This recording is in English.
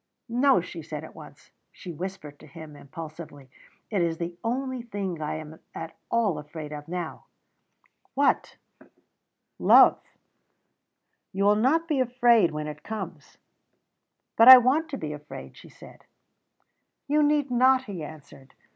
"No," she said at once. She whispered to him impulsively: "It is the only thing I am at all afraid of now." "What?" "Love." "You will not be afraid of it when it comes." "But I want to be afraid," she said. "You need not," he answered.